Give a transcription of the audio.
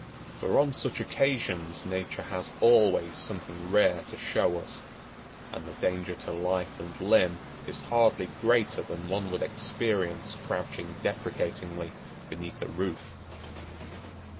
For on such occasions Nature has always something rare to show us, and the danger to life and limb is hardly greater than one would experience crouching deprecatingly beneath a roof.